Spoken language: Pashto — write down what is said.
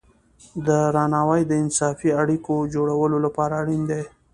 درناوی د انصافی اړیکو جوړولو لپاره اړین دی.